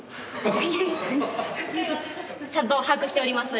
ちゃんと把握しております。